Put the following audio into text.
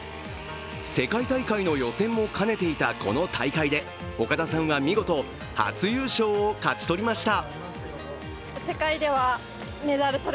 世界大会の予選も兼ねていたこの大会で岡田さんは見事、初優勝を勝ち取りました。